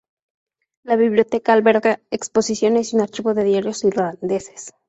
La biblioteca alberga exposiciones y un archivo de diarios irlandeses.